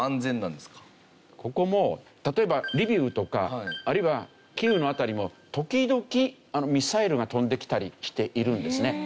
ここも例えばリビウとかあるいはキーウの辺りも時々ミサイルが飛んできたりしているんですね。